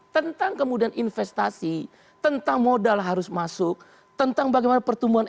tentang kemudian investasi tentang modal harus masuk tentang bagaimana pertumbuhan